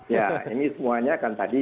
ya ini semuanya kan tadi